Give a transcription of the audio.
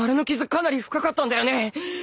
かなり深かったんだよね！？